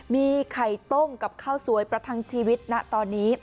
มีไข่ต้มกับข้าวสวยประทังชีวิตนะตอนนี้